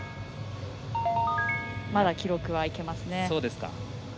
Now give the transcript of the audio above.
まだ記録はいけますね。